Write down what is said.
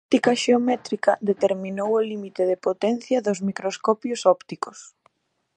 Na óptica xeométrica, determinou o límite de potencia dos microscopios ópticos.